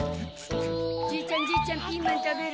じいちゃんじいちゃんピーマン食べる？